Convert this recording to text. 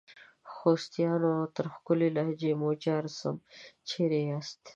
خوستیانو ! تر ښکلي لهجې مو جار سم ، چیري یاست؟